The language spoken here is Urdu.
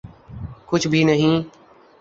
کچھ بھی نہیں۔